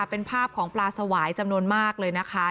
เป็นภาพของปลาสวายจำนวนมากเลยนะคะ